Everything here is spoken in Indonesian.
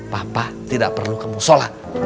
papa tidak perlu kamu sholat